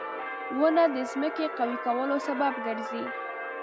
• ونه د ځمکې قوي کولو سبب ګرځي.